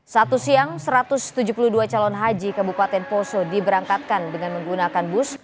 satu siang satu ratus tujuh puluh dua calon haji kabupaten poso diberangkatkan dengan menggunakan bus